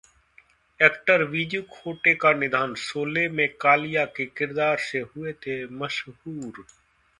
actor Viju Khote का निधन, शोले में 'कालिया' के किरदार से हुए थे मशहूर